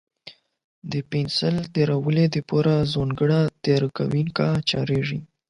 د پنسل تېره کولو لپاره ځانګړی تېره کوونکی کارېږي.